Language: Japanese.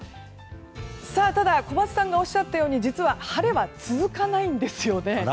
ただ小松さんがおっしゃったように実は晴れが続かないんですよね。